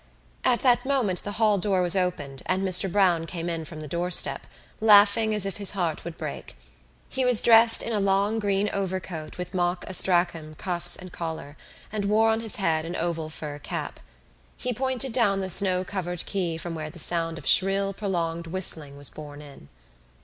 At that moment the hall door was opened and Mr Browne came in from the doorstep, laughing as if his heart would break. He was dressed in a long green overcoat with mock astrakhan cuffs and collar and wore on his head an oval fur cap. He pointed down the snow covered quay from where the sound of shrill prolonged whistling was borne in.